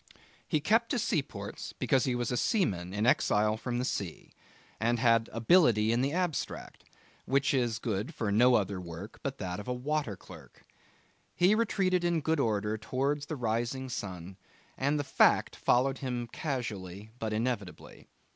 He kept to seaports because he was a seaman in exile from the sea, and had Ability in the abstract, which is good for no other work but that of a water clerk. He retreated in good order towards the rising sun, and the fact followed him casually but inevitably.